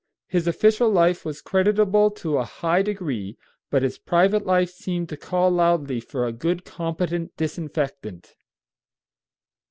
His official life was creditable to a high degree, but his private life seemed to call loudly for a good, competent disinfectant.